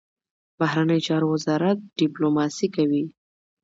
بهرنیو چارو وزارت ډیپلوماسي کوي